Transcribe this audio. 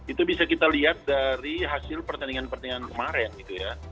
itu bisa kita lihat dari hasil pertandingan pertandingan kemarin gitu ya